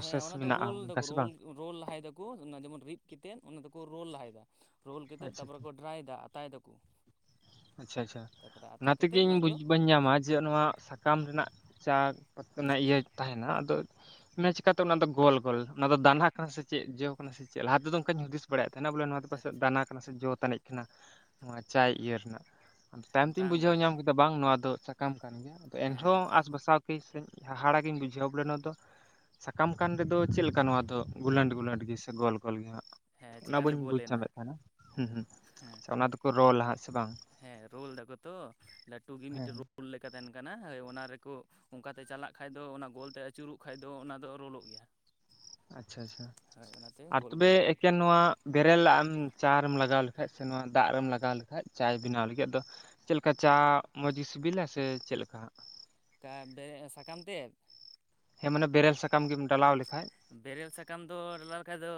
ᱦᱮᱸ ᱚᱱᱟ ᱫᱚ ᱢᱮᱱᱟᱜᱼᱟ ᱨᱳᱞ ᱚᱱᱠᱟ ᱫᱟᱠᱚ ᱥᱮ ᱨᱳᱞ ᱵᱟᱝ ᱨᱳᱞ ᱞᱟᱦᱟᱭ ᱫᱟᱠᱚ ᱚᱱᱟ ᱡᱮᱢᱚᱱ ᱨᱤᱫ ᱠᱟᱛᱮᱫ ᱚᱱᱟ ᱫᱚᱠᱚ ᱨᱳᱞ ᱞᱟᱦᱟᱭ ᱫᱟ ᱨᱳᱞ ᱠᱟᱛᱮᱫ ᱟᱪᱪᱷᱟ ᱛᱟᱯᱚᱨᱮ ᱠᱚ ᱰᱨᱟᱭ ᱫᱟ ᱟᱛᱟᱭ ᱫᱟᱠᱚ ᱟᱪᱪᱷᱟ ᱟᱪᱪᱷᱟ ᱛᱟᱨᱯᱚᱨᱮ ᱚᱱᱟ ᱟᱛᱟ ᱛᱮᱜᱮ ᱠᱟᱛᱮᱫ ᱤᱧ ᱫᱚ ᱵᱩᱡ ᱵᱟᱹᱧ ᱧᱟᱢᱟ ᱡᱮ ᱱᱚᱣᱟ ᱥᱟᱠᱟᱢ ᱨᱮᱱᱟᱜ ᱪᱟ ᱚᱱᱟ ᱤᱭᱟᱹ ᱛᱟᱦᱮᱱᱟ ᱟᱫᱚ ᱚᱱᱟ ᱪᱮᱠᱟᱛᱮ ᱚᱱᱟ ᱫᱚ ᱜᱳᱞ ᱜᱳᱞ ᱚᱱᱟ ᱫᱚ ᱫᱟᱱᱟᱦᱟ ᱠᱟᱱᱟ ᱥᱮ ᱪᱮᱫ ᱡᱮᱣ ᱠᱟᱱᱟ ᱥᱮ ᱪᱮᱫ ᱞᱟᱦᱟ ᱛᱮᱫᱚ ᱚᱱᱠᱟᱧ ᱦᱩᱫᱤᱥ ᱵᱟᱲᱟᱭᱮᱫ ᱵᱚᱞᱮ ᱱᱚᱣᱟᱫᱚ ᱯᱟᱥᱮᱡ ᱟᱪᱪᱷᱟ ᱫᱟᱱᱟ ᱠᱟᱱᱟ ᱥᱮ ᱡᱚ ᱛᱟᱱᱤᱡ ᱠᱟᱱᱟ ᱱᱚᱣᱟ ᱪᱟᱭ ᱤᱭᱟᱹ ᱨᱮᱱᱟᱜ ᱛᱟᱭᱚᱢ ᱛᱮᱧ ᱵᱟᱝ ᱵᱩᱡᱷᱟᱹᱣ ᱵᱟᱝ ᱧᱟᱢ ᱠᱮᱫᱟ ᱵᱟᱝ ᱱᱚᱣᱟ ᱫᱚ ᱥᱟᱠᱟᱢ ᱠᱟᱱ ᱜᱮᱭᱟ ᱛᱚ ᱦᱮᱸ ᱮᱱᱨᱮᱦᱚᱸ ᱟᱥ ᱯᱟᱥᱟᱣ ᱤᱥ ᱦᱟᱦᱟᱲᱟᱜᱤᱧ ᱵᱩᱡᱷᱟᱹᱣ ᱵᱚᱞᱮ ᱱᱚᱣᱟ ᱫᱚ ᱥᱟᱠᱟᱢ ᱠᱟᱱ ᱨᱮᱫᱚ ᱪᱮᱫ ᱞᱮᱠᱟ ᱱᱚᱣᱟ ᱫᱚ ᱜᱩᱞᱟᱹᱰ ᱜᱩᱞᱟᱹᱰ ᱜᱮ ᱥᱮ ᱜᱳᱞ ᱜᱳᱞ ᱜᱮ ᱦᱮᱸᱟᱜ ᱦᱮᱸ ᱚᱱᱟ ᱪᱮᱠᱟ ᱫᱚ ᱵᱟᱹᱧ ᱜᱳᱞ ᱵᱩᱡᱽ ᱮᱱᱟ ᱧᱟᱢᱮᱫ ᱛᱟᱦᱮᱱᱟ ᱦᱩᱸ ᱦᱩᱸ ᱦᱮᱸ ᱚᱱᱟ ᱫᱚᱠᱚ ᱨᱚᱞᱟ ᱦᱟᱸᱜ ᱥᱮ ᱵᱟᱝ ᱦᱮᱸ ᱨᱳᱞ ᱫᱟᱠᱚ ᱛᱚ ᱞᱟᱹᱴᱩ ᱜᱮ ᱦᱮᱸ ᱢᱤᱫᱴᱮᱱ ᱨᱳᱞ ᱞᱮᱠᱟ ᱛᱟᱦᱮᱱ ᱠᱟᱱᱟ ᱚᱱᱟ ᱨᱮᱠᱚ ᱚᱱᱠᱟᱛᱮ ᱪᱟᱞᱟᱜ ᱠᱷᱟᱱ ᱫᱚ ᱚᱱᱟ ᱜᱳᱞᱛᱮ ᱟᱹᱪᱩᱨᱚᱜ ᱠᱷᱟᱡ ᱫᱚ ᱚᱱᱟ ᱫᱚ ᱨᱳᱞᱳᱜ ᱜᱮᱭᱟ ᱟᱪᱪᱷᱟ ᱟᱪᱪᱷᱟ ᱦᱳᱭ ᱚᱱᱟᱛᱮ ᱟᱨ ᱜᱳᱞ ᱛᱚᱵᱮ ᱜᱳᱞ ᱜᱳᱞ ᱮᱠᱮᱱ ᱱᱚᱣᱟ ᱵᱮᱨᱮᱞ ᱟᱱ ᱪᱟ ᱨᱮᱢ ᱞᱟᱜᱟᱣ ᱞᱮᱠᱷᱟᱡ ᱥᱮ ᱱᱚᱣᱟ ᱫᱟᱜ ᱨᱮᱢ ᱞᱟᱜᱟᱣ ᱞᱮᱠᱷᱟᱡ ᱪᱟᱭ ᱵᱮᱱᱟᱣ ᱞᱟᱹᱜᱤᱫ ᱟᱫᱚ ᱪᱮᱫ ᱞᱮᱠᱟ ᱪᱟ ᱢᱚᱡᱽ ᱜᱮ ᱥᱤᱵᱤᱞᱟ ᱥᱮ ᱪᱮᱫ ᱞᱮᱠᱟ ᱦᱟᱜ ᱠᱟᱵᱮ ᱥᱟᱠᱟᱢ ᱛᱮᱫ ᱦᱮᱸ ᱢᱟᱱᱮ ᱵᱮᱨᱮᱞ ᱥᱟᱠᱟᱢ ᱜᱮᱢ ᱰᱟᱞᱟᱣ ᱞᱮᱠᱷᱟᱡ ᱵᱮᱨᱮᱞ ᱥᱟᱠᱟᱢ ᱫᱚ ᱰᱟᱞᱟᱣ ᱞᱮᱠᱷᱟᱡ ᱫᱚ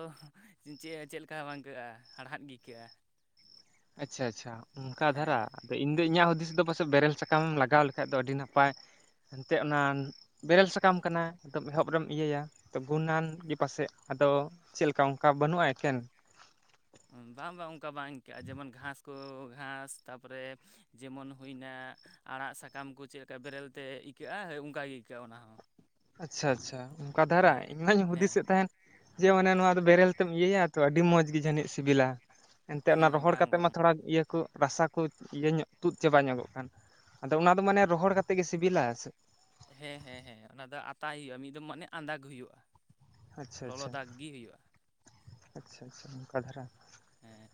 ᱪᱮᱫ ᱪᱮᱫ ᱞᱮᱠᱟ ᱵᱟᱝ ᱟᱹᱭᱠᱟᱹᱜᱼᱟ ᱦᱟᱲᱦᱟᱫ ᱜᱮ ᱟᱹᱭᱠᱟᱹᱜᱼᱟ ᱾ ᱟᱪᱪᱷᱟ ᱟᱪᱪᱷᱟ ᱚᱱᱠᱟ ᱫᱷᱟᱨᱟ ᱦᱮᱸ ᱟᱫᱚ ᱤᱧ ᱫᱚ ᱤᱧᱟᱹᱜ ᱦᱩᱫᱤᱥ ᱫᱚ ᱯᱟᱥᱮᱡ ᱵᱮᱨᱮᱞ ᱥᱟᱠᱟᱢᱮᱢ ᱞᱟᱜᱟᱣ ᱦᱮᱜ ᱟᱫᱚ ᱟᱹᱰᱤ ᱱᱟᱯᱟᱭ ᱮᱱᱛᱮᱫ ᱚᱱᱟ ᱵᱮᱨᱮᱞ ᱥᱟᱠᱟᱢ ᱠᱟᱱᱟ ᱛᱟᱵ ᱮᱦᱚᱵ ᱨᱮᱢ ᱤᱭᱟᱹᱭᱟ ᱜᱩᱱᱟᱱ ᱜᱮ ᱯᱟᱥᱮᱡ ᱟᱫᱚ ᱪᱮᱫ ᱞᱮᱠᱟ ᱚᱱᱠᱟ ᱵᱟᱹᱱᱩᱜᱼᱟ ᱮᱠᱮᱱ ᱵᱟᱝ ᱵᱟᱝ ᱚᱱᱠᱟ ᱵᱟᱝ ᱟᱹᱭᱠᱟᱹᱜᱼᱟ ᱡᱮᱢᱚᱱ ᱜᱷᱟᱥ ᱠᱚ ᱜᱷᱟᱥ ᱛᱟ ᱯᱚᱨᱮ ᱡᱮᱢᱚᱱ ᱦᱩᱭᱱᱟ ᱟᱲᱟᱜ ᱥᱟᱠᱟᱢ ᱠᱚ ᱪᱮᱫ ᱞᱮᱠᱟ ᱵᱮᱨᱮᱞ ᱛᱮ ᱟᱹᱭᱠᱟᱹᱜᱼᱟ ᱦᱳᱭ ᱚᱱᱠᱟᱜᱮ ᱟᱹᱭᱠᱟᱹᱜᱼᱟ ᱚᱱᱟ ᱦᱚᱸ ᱟᱪᱪᱷᱟ ᱟᱪᱪᱷᱟ ᱚᱱᱠᱟ ᱫᱷᱟᱨᱟ ᱦᱮᱸ ᱤᱧ ᱢᱟᱧ ᱦᱮᱸ ᱦᱩᱫᱤᱥᱮᱫ ᱛᱟᱦᱮᱸᱱ ᱡᱮ ᱚᱱᱮ ᱱᱚᱣᱟ ᱫᱚ ᱵᱮᱨᱮᱞ ᱛᱮᱢ ᱤᱭᱟᱹᱭᱟ ᱛᱚ ᱟᱹᱰᱤ ᱢᱚᱸᱡᱽ ᱜᱮ ᱡᱟᱹᱱᱤᱡ ᱥᱤᱵᱤᱞᱟ ᱮᱱᱛᱮᱫ ᱚᱱᱟ ᱦᱮᱸ ᱨᱚᱦᱚᱲ ᱵᱟᱝ ᱠᱟᱛᱮ ᱢᱟ ᱵᱟᱝ ᱛᱷᱚᱲᱟ ᱤᱭᱟᱹ ᱨᱟᱥᱟ ᱠᱚ ᱤᱭᱟᱹ ᱧᱚᱜ ᱛᱩᱫ ᱪᱟᱵᱟ ᱧᱚᱜᱚᱜ ᱠᱟᱱ ᱟᱫᱚ ᱚᱱᱟ ᱫᱚ ᱢᱟᱱᱮ ᱨᱚᱦᱚᱲ ᱠᱟᱛᱮᱫ ᱜᱮ ᱥᱤᱵᱤᱞᱟ ᱥᱮ ᱦᱮᱸ ᱦᱮᱸ ᱦᱮᱸ ᱚᱱᱟ ᱫᱚ ᱟᱛᱟᱭ ᱦᱩᱭᱩᱜᱼᱟ ᱢᱤᱫ ᱫᱚᱢ ᱢᱟᱱᱮ ᱟᱸᱫᱟᱜ ᱦᱩᱭᱩᱜᱼᱟ ᱾ ᱟᱪᱪᱷᱟ ᱟᱪᱪᱷᱟ ᱟᱪᱪᱷᱟ ᱟᱪᱪᱷᱟ ᱱᱚᱝᱠᱟ ᱫᱷᱟᱨᱟ ᱦᱮᱸ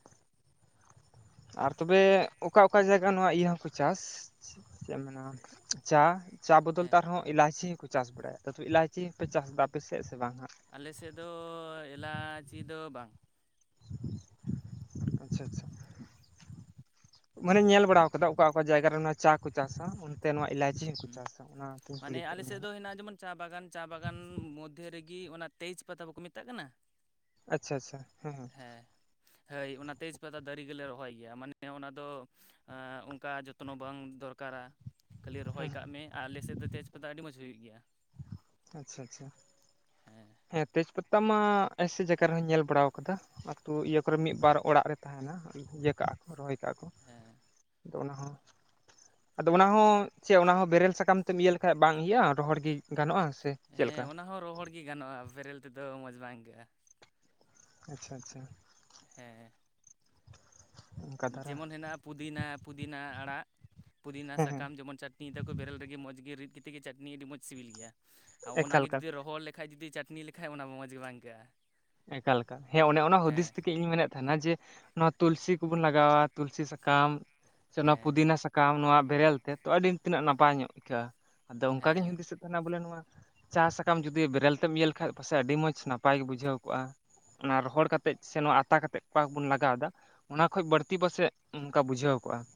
ᱟᱨ ᱛᱚᱵᱮ ᱚᱠᱟ ᱚᱠᱟ ᱡᱟᱭᱜᱟ ᱱᱚᱣᱟ ᱤᱭᱟᱹ ᱦᱚᱸᱯᱮ ᱪᱟᱥ ᱪᱮᱫ ᱮᱢ ᱢᱮᱱᱟ ᱪᱟ ᱪᱟ ᱵᱚᱫᱚᱞ ᱛᱮ ᱦᱮᱸ ᱟᱨᱦᱚᱸ ᱤᱞᱟᱭᱪᱤ ᱦᱚᱸᱠᱚ ᱪᱟᱥ ᱵᱟᱲᱟᱭᱟ, ᱛᱚ ᱤᱞᱟᱭᱪᱤ ᱦᱚᱸᱯᱮ ᱪᱟᱥ ᱫᱟ ᱟᱯᱮᱥᱮᱫ ᱥᱮ ᱵᱟᱝ ᱦᱟᱸᱜ? ᱟᱞᱮᱥᱮᱫ ᱫᱚ ᱮᱞᱟ-ᱪᱤ ᱫᱚ ᱵᱟᱝ ᱾ ᱟᱪᱪᱷᱟ ᱟᱪᱪᱷᱟ ᱢᱟᱱᱮᱧ ᱧᱮᱞ ᱵᱟᱲᱟ ᱟᱠᱟᱫᱟ ᱚᱠᱟ ᱚᱠᱟ ᱡᱟᱭᱜᱟ ᱨᱮ ᱱᱚᱣᱟ ᱪᱟ ᱠᱚ ᱪᱟᱥᱟ ᱚᱱᱛᱮ ᱱᱚᱶᱟ ᱮᱞᱟᱭᱪᱤ ᱪᱮᱫ ᱠᱚ ᱦᱩᱸ ᱪᱟᱥᱟ ᱚᱱᱟᱠᱚᱧ ᱠᱩᱞᱤ ᱢᱟᱱᱮ ᱠᱮᱫ ᱟᱞᱮ ᱢᱮᱭᱟ ᱥᱮᱫ ᱦᱟᱸᱜ ᱫᱚ ᱦᱮᱱᱟᱜᱼᱟ ᱡᱮᱢᱚᱱ ᱪᱟ ᱵᱟᱜᱟᱱ ᱪᱟ ᱵᱟᱜᱟᱱ ᱢᱚᱫᱽᱫᱷᱮ ᱨᱮᱜᱮ ᱚᱱᱟ ᱛᱮᱡᱽ ᱯᱟᱛᱟ ᱵᱟᱠᱚ ᱢᱮᱛᱟᱜ ᱠᱟᱱᱟ ᱟᱪᱪᱷᱟ ᱟᱪᱪᱷᱟ ᱦᱮᱸ ᱦᱮᱸ ᱦᱳᱭ ᱚᱱᱟ ᱛᱮᱡᱽ ᱯᱟᱛᱟ ᱫᱟᱨᱮ ᱜᱮᱞᱮ ᱨᱚᱦᱚᱭ ᱜᱮᱭᱟ ᱢᱟᱱᱮ ᱚᱱᱟ ᱫᱚ ᱟᱼᱼ ᱚᱱᱠᱟ ᱡᱚᱛᱱᱚ ᱵᱟᱝ ᱫᱚᱨᱠᱟᱨᱟ ᱠᱷᱟᱹᱞᱤ ᱨᱚᱦᱚᱭ ᱦᱮᱸ ᱠᱟᱜ ᱢᱮ ᱟᱨ ᱟᱞᱮᱥᱮᱫ ᱫᱚ ᱛᱮᱡᱽ ᱯᱟᱛᱟ ᱟᱹᱰᱤ ᱢᱚᱸᱡᱽ ᱦᱩᱭᱩᱜ ᱜᱮᱭᱟ ᱾ ᱟᱪᱪᱷᱟ ᱟᱪᱪᱷᱟ ᱾ ᱦᱮᱸ ᱦᱮᱸ ᱛᱮᱡᱽ ᱯᱟᱛᱟ ᱢᱟ ᱮᱭᱥᱮ ᱡᱟᱭᱜᱟ ᱨᱮᱦᱚᱸᱧ ᱧᱮᱞ ᱵᱟᱲᱟ ᱟᱠᱟᱫᱟ ᱾ ᱟᱹᱛᱩ ᱤᱭᱟᱹ ᱠᱚᱨᱮ ᱢᱤᱫ ᱵᱟᱨ ᱚᱲᱟᱜ ᱨᱮ ᱛᱟᱦᱮᱱᱟ ᱤᱭᱟᱹ ᱠᱟᱜᱼᱟ ᱠᱚ ᱨᱚᱦᱚᱭ ᱠᱟᱜᱼᱟ ᱠᱚ ᱾ ᱦᱮᱸ ᱾ ᱟᱫᱚ ᱚᱱᱟ ᱦᱚᱸ ᱟᱫᱚ ᱚᱱᱟ ᱦᱚᱸ ᱪᱮᱫ ᱚᱱᱟ ᱦᱚᱸ ᱵᱮᱨᱮᱞ ᱥᱟᱠᱟᱢ ᱛᱮᱢ ᱤᱭᱟᱹ ᱞᱮᱠᱷᱟᱡ ᱵᱟᱝ ᱤᱭᱟᱹᱜᱼᱟ ᱨᱚᱦᱚᱲ ᱜᱮ ᱜᱟᱱᱚᱜᱼᱟ ᱥᱮ ᱪᱮᱫ ᱦᱮᱸ ᱞᱮᱠᱟ ᱚᱱᱟ ᱦᱚᱸ ᱨᱚᱦᱚᱲ ᱜᱮ ᱜᱟᱱᱚᱜᱼᱟ ᱵᱮᱨᱮᱞ ᱛᱮᱫᱚ ᱢᱚᱡᱽ ᱵᱟᱝ ᱟᱹᱭᱠᱟᱹᱜᱼᱟ ᱾ ᱟᱪᱪᱷᱟ ᱟᱪᱪᱷᱟ ᱾ ᱦᱮᱸ ᱾ ᱚᱱᱠᱟ ᱫᱷᱟᱨᱟ ᱡᱮᱢᱚᱱ ᱦᱮᱱᱟᱜᱼᱟ ᱯᱩᱫᱤᱱᱟ ᱯᱩᱫᱤᱱᱟ ᱟᱲᱟᱜ ᱯᱩᱫᱤᱱᱟ ᱦᱮᱸ ᱦᱮᱸ ᱥᱟᱠᱟᱢ ᱡᱮᱢᱚᱱ ᱪᱟᱴ ᱱᱤ ᱫᱟᱠᱚ ᱵᱮᱨᱮᱞ ᱨᱮᱜᱮ ᱢᱚᱡᱽ ᱜᱮ ᱨᱤᱫ ᱠᱟᱛᱮᱫ ᱜᱮ ᱪᱟᱴᱱ ᱟᱹᱰᱤ ᱢᱚᱡᱽ ᱥᱤᱵᱤᱞ ᱜᱮᱭᱟ ᱟᱨ ᱮᱠᱟᱞ ᱮᱠᱟᱞ ᱚᱱᱟᱜᱮ ᱡᱩᱫᱤ ᱨᱚᱦᱚᱲ ᱞᱮᱠᱷ ᱠᱷᱟᱡ ᱡᱩᱫᱤ ᱪᱟᱹᱴᱱᱤ ᱞᱮᱠᱷᱟᱡ ᱚᱱᱟ ᱢᱚᱡᱽ ᱜᱮ ᱵᱟᱝ ᱟᱹᱭᱠᱟᱹᱜᱼᱟ ᱾ ᱮᱠᱟᱞ ᱮᱠᱟᱞ ᱦᱮᱸ ᱚᱱᱮ ᱚᱱᱟ ᱦᱩᱫᱤᱥ ᱛᱮᱜᱮ, ᱤᱧ ᱢᱮᱱᱮᱫ ᱛᱟᱦᱮᱱᱟ ᱡᱮ ᱱᱚᱣᱟ ᱛᱩᱞᱥᱤ ᱠᱚᱵᱚᱱ ᱞᱟᱜᱟᱣᱟ ᱛᱩᱞᱥᱤ ᱥᱟᱠᱟᱢ ᱥᱮ ᱱᱚᱣᱟ ᱦᱮᱸ ᱯᱩᱫᱤᱱᱟ ᱥᱟᱠᱟ ᱠᱟᱢ ᱱᱚᱣᱟ ᱵᱮᱨᱮᱞ ᱛᱮ ᱛᱚ ᱟᱹᱰᱤ ᱛᱤᱱᱟᱹᱜ ᱱᱟᱯᱟᱭ ᱧᱚᱜ ᱟᱹᱭᱠᱟᱹᱜᱼᱟ, ᱟᱫᱚ ᱚᱱᱠᱟ ᱜᱤᱧ ᱦᱮᱸ ᱦᱩᱫᱤᱥᱮᱫ ᱛᱟᱦᱮᱱᱟ ᱵᱚᱞᱮ ᱱᱚᱣᱟ ᱪᱟᱥ ᱥᱟᱠᱟᱢ ᱡᱩᱫᱤ ᱵᱮᱨᱮᱞ ᱛᱮᱢ ᱤᱭᱟᱹ ᱞᱮᱠᱷᱟᱡ ᱯᱟᱥᱮᱡ ᱟᱹᱰᱤ ᱢᱚᱸᱡᱽ ᱱᱟᱯᱟᱭ ᱜᱮ ᱵᱩᱡᱷᱟᱹᱣ ᱠᱚᱜ-ᱟ ᱚᱱᱟ ᱨᱚᱦᱚᱲ ᱠᱟᱛᱮᱫ ᱥᱮ ᱱᱚᱣᱟ ᱟᱛᱟ ᱠᱟᱛᱮᱜ ᱚᱠᱟ ᱵᱚᱱ ᱞᱟᱜᱟᱣ ᱮᱫᱟ ᱾ ᱚᱱᱟ ᱠᱷᱡ ᱵᱟᱹᱲᱛᱤ ᱯᱟᱥᱮᱡ ᱚᱱᱠᱟ ᱵᱩᱡᱷᱟᱹᱣ ᱠᱚᱜᱼᱟ ᱾